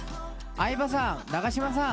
相葉さん、永島さん。